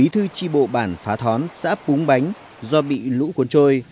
thư chi bộ bản phá thón xã púng bánh do bị lũ cuốn trôi